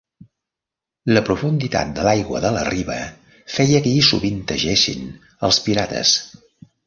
La profunditat de l'aigua de la riba feia que hi sovintegessin els pirates.